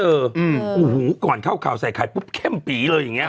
โอ้โหก่อนเข้าข่าวใส่ไข่ปุ๊บเข้มปีเลยอย่างเงี้